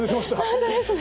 本当ですね。